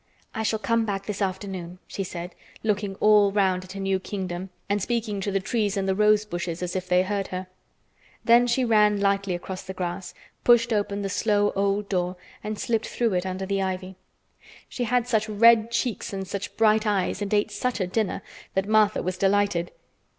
"I shall come back this afternoon," she said, looking all round at her new kingdom, and speaking to the trees and the rose bushes as if they heard her. Then she ran lightly across the grass, pushed open the slow old door and slipped through it under the ivy. She had such red cheeks and such bright eyes and ate such a dinner that Martha was delighted.